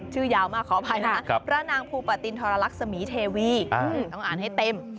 ยาวมากขออภัยนะคะพระนางภูปะตินทรลักษมีเทวีต้องอ่านให้เต็ม